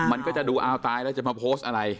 มันก็จะดูเอาตายแล้วจะมาโพสต์อะไร